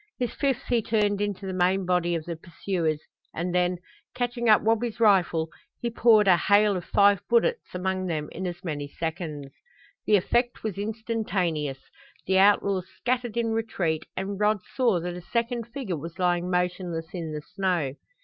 His fifth he turned into the main body of the pursuers, and then, catching up Wabi's rifle, he poured a hail of five bullets among them in as many seconds. The effect was instantaneous. The outlaws scattered in retreat and Rod saw that a second figure was lying motionless in the snow.